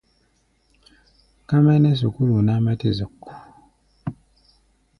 Ka mɛ nɛ́ sukúlu ná, mɛ́ tɛ́ zɔk.